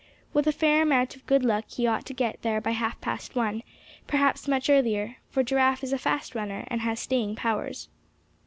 "With a fair amount of good luck he ought to get there by half past one, perhaps much earlier; for Giraffe is a fast runner, and has staying powers."